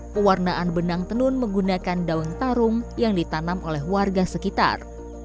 pewarnaan benang tenun menggunakan daun tarung yang ditanam oleh warga sekitar